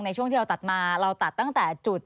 ในช่วงที่เราตัดมาเราตัดตั้งแต่จุด